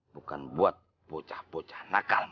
bukan buat bocah bocah nakal